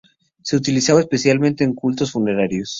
Se utilizaba especialmente en los cultos funerarios.